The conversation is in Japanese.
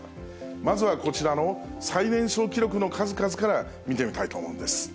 まずはこちらの最年少記録の数々から見てみたいと思うんです。